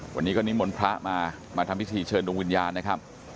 วันนี้ก็นิมนต์พระมามาทำพิธีเชิญดวงวิญญาณนะครับ